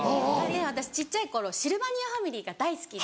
私小っちゃい頃シルバニアファミリーが大好きで。